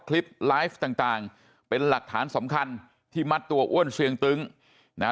คลิปไลฟ์ต่างต่างเป็นหลักฐานสำคัญที่มัดตัวอ้วนเสียงตึ้งนะ